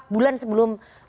empat bulan sebelum